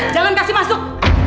jangan kasih masuk